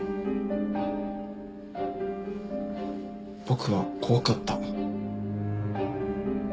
僕は怖かった。